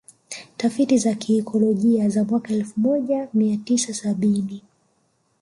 Tafiti za kiikolojia za mwaka elfu moja mia tisa sabini